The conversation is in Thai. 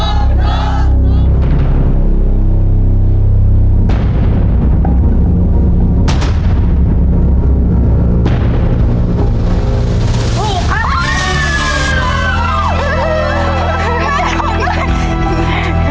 นี่ค่ะ